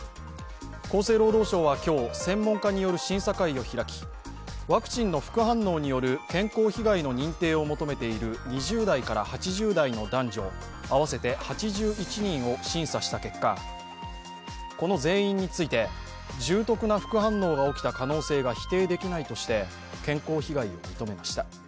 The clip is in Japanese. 厚生労働省は今日、専門家による審査会を開きワクチンの副反応による健康被害の認定を求めている２０代から８０代の男女合わせて８１人を審査した結果この全員について、重篤な副反応が起きた可能性が否定できないとして健康被害を認めました。